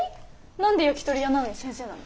何で焼きとり屋なのに先生なの？